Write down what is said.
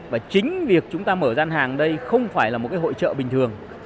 và chính việc chúng ta mở gian hàng đây không phải là một hội trợ bình thường